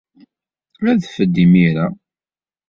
Adef-d imir-a.